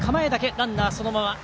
ランナー、そのまま。